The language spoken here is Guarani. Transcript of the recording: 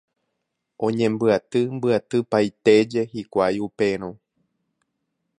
Oñembyatypaitéje hikuái upérõ.